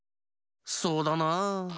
そうだなあ。